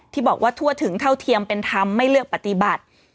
ที่บอกว่าทั่วถึงเท่าเทียมเป็นธรรมไม่เลือกปฏิบัติ